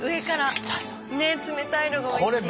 ね冷たいのがおいしい。